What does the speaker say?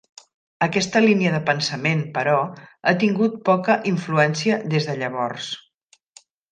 Aquesta línia de pensament, però, ha tingut poca influència des de llavors.